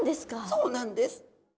そうなんです。